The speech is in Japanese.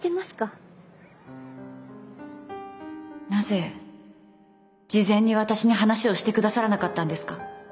なぜ事前に私に話をしてくださらなかったんですか？